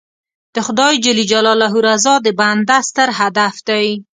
د خدای رضا د بنده ستر هدف دی.